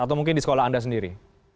atau mungkin di sekolah anda sendiri